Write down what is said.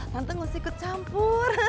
tante harus ikut campur